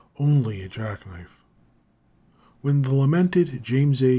ONLY A JACK KNIFE When the lamented James A.